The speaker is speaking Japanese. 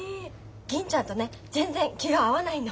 銀ちゃんとね全然気が合わないの。